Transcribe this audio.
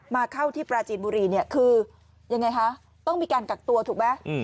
มาเข้าที่ปราจีนบุรีเนี่ยคือยังไงคะต้องมีการกักตัวถูกไหม